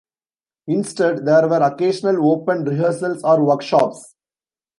Instead, there were occasional open rehearsals or workshops.